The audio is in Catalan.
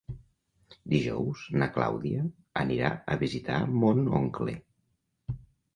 Dijous na Clàudia anirà a visitar mon oncle.